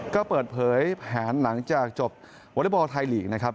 ก็เปิดเผยแผนหลังจากจบวอเล็กบอลไทยลีกนะครับ